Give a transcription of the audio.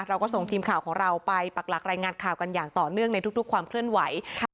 เราก็ส่งทีมข่าวของเราไปปักหลักรายงานข่าวกันอย่างต่อเนื่องในทุกความเคลื่อนไหว